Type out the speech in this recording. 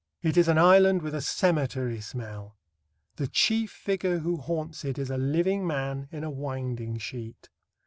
It is an island with a cemetery smell. The chief figure who haunts it is a living man in a winding sheet.